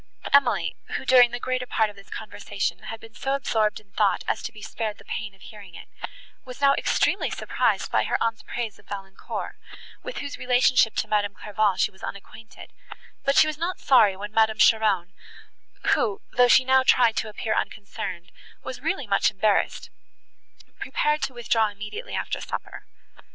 Emily, who, during the greater part of this conversation, had been so absorbed in thought as to be spared the pain of hearing it, was now extremely surprised by her aunt's praise of Valancourt, with whose relationship to Madame Clairval she was unacquainted; but she was not sorry when Madame Cheron, who, though she now tried to appear unconcerned, was really much embarrassed, prepared to withdraw immediately after supper.